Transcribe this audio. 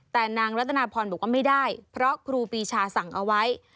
แต่นางรัตนาพรบอกว่าไม่ได้เพราะครูปีชาสั่งเอาไว้